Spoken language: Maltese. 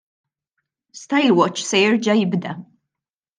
Stylewatch se jerġa' jibda!